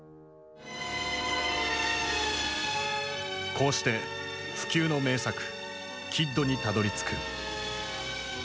こうして不朽の名作「キッド」にたどりつく。